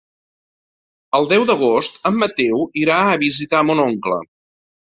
El deu d'agost en Mateu irà a visitar mon oncle.